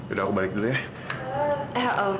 udah aku balik dulu ya